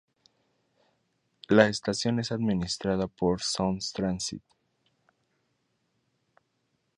La estación es administrada por Sound Transit.